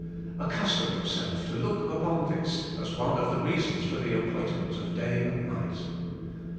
Accustom yourself to look upon this as one of the reasons for the appointment of day and night.